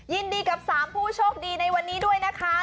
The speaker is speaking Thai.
ยินดีกับ๓ผู้โชคดีในวันนี้ด้วยนะคะ